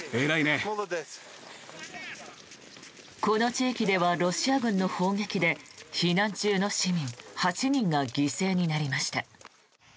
この地域ではロシア軍の砲撃で避難中の市民８人が犠牲になりました。